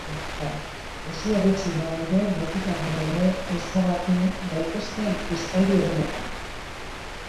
Lesio gutxi badaude botika gabe ere ezabatu daitezke bizpahiru egunetan.